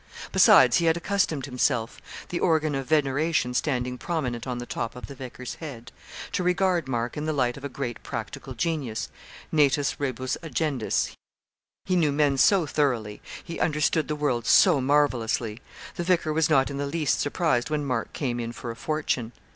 Besides, he had accustomed himself the organ of veneration standing prominent on the top of the vicar's head to regard Mark in the light of a great practical genius 'natus rebus agendis;' he knew men so thoroughly he understood the world so marvellously! The vicar was not in the least surprised when Mark came in for a fortune.